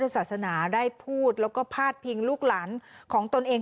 ศาสนาได้พูดแล้วก็พาดพิงลูกหลานของตนเอง